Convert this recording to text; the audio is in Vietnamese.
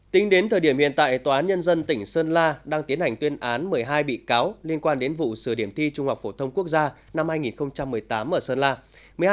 tính đến thời điểm hiện tại tòa án nhân dân tỉnh sơn la đang tiến hành tuyên án một mươi hai bị cáo liên quan đến vụ sửa điểm thi trung học phổ thông quốc gia năm hai nghìn một mươi tám ở sơn la